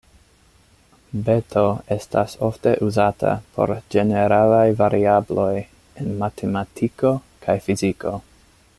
Beto estas ofte uzata por ĝeneralaj variabloj en matematiko kaj fiziko.